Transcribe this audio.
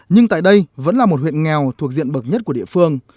nhưng tại đây vẫn là một huyện nghèo thuộc diện bậc nhất của địa phương